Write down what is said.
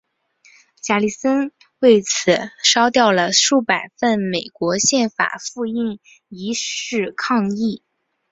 加里森为此烧掉了数百份美国宪法的复印件以示抗议。